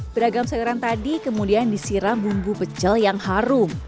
beragam sayuran tadi kemudian disiram bumbu pecel yang harum